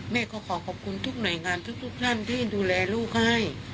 แม่ก็ขอขอบคุณทุกหน่วยงานทุกท่านที่ดูแลลูกให้